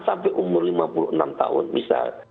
sampai umur lima puluh enam tahun misal